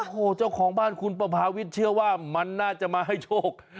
โอ้โหเจ้าของบ้านคุณประพาวิทย์เชื่อว่ามันน่าจะมาให้โชค